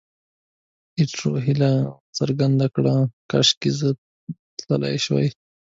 ایټور هیله څرګنده کړه، کاشکې زه تلای شوای.